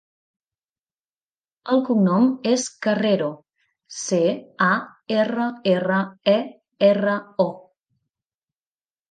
El cognom és Carrero: ce, a, erra, erra, e, erra, o.